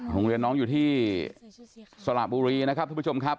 โรงเรียนน้องอยู่ที่สระบุรีนะครับทุกผู้ชมครับ